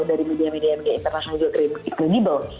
dari media media media internasional juga kredibel